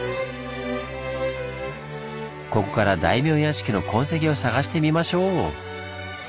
ここから大名屋敷の痕跡を探してみましょう！